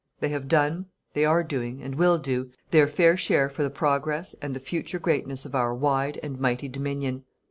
They have done, they are doing, and will do, their fair share for the progress and the future greatness of our wide and mighty Dominion.